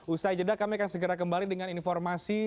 usai jeda kami akan segera kembali dengan informasi